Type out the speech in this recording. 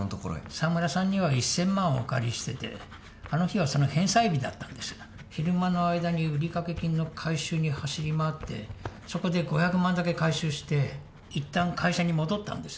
沢村さんには１０００万お借りしててあの日はその返済日だったんです昼間の間に売掛金の回収に走り回ってそこで５００万だけ回収して一旦会社に戻ったんです